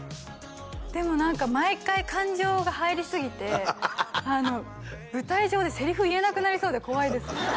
でも何か毎回感情が入りすぎて舞台上でセリフ言えなくなりそうで怖いです